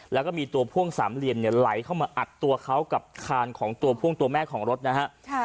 แล้วก็มีตัวพ่วงสามเหลี่ยมเนี่ยไหลเข้ามาอัดตัวเขากับคานของตัวพ่วงตัวแม่ของรถนะฮะ